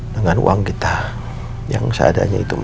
dengan uang kita yang seadanya itu mahal